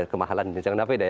kemahalan ini jangan hp deh ya